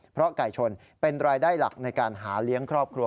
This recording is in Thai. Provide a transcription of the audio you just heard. เพราะไก่ชนเป็นรายได้หลักในการหาเลี้ยงครอบครัว